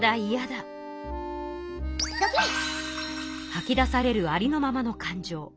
はき出されるありのままの感情。